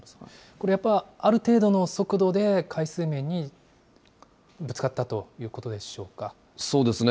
これ、やっぱりある程度の速度で海水面にぶつかったというこそうですね。